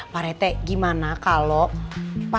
pak rete gimana kalau pak